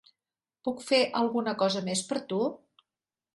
Puc fer alguna cosa més per tu?